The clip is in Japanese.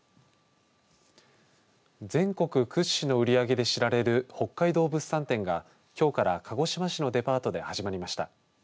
全国屈指の売り上げで知られる北海道物産展がきょうから鹿児島市のデパートで始まりました。